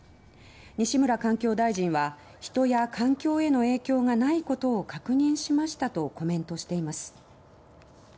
西村環境大臣は人や環境への影響がないことを確認しましたとコメントしています。